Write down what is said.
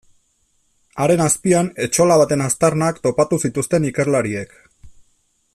Haren azpian etxola baten aztarnak topatu zituzten ikerlariek.